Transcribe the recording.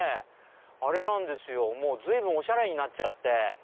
あれなんですよ随分おしゃれになっちゃって。